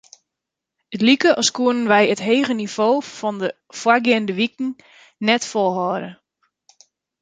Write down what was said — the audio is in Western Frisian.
It like as koene wy it hege nivo fan de foargeande wiken net folhâlde.